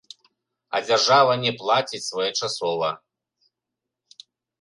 А дзяржава не плаціць своечасова.